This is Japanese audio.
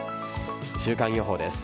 週間予報です。